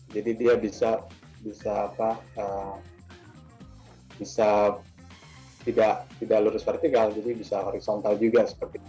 jadi dia bisa tidak lurus vertikal jadi bisa horizontal juga